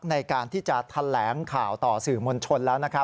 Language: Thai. ในการที่จะแถลงข่าวต่อสื่อมวลชนแล้ว